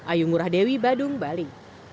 ayu ngurah dewi badung bali